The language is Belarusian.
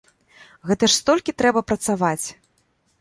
Гэта ж столькі трэба працаваць.